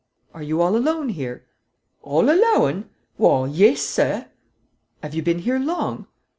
"Are you all alone here?" "All alo an? Oh, yes, sir." "Have you been here long?"